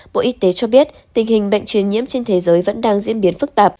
bộ y tế cho biết tình hình bệnh truyền nhiễm trên thế giới vẫn đang diễn biến phức tạp